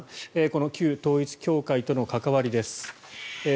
この旧統一教会との関わりです。